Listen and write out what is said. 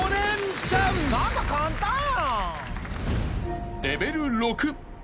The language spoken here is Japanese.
何か簡単やん！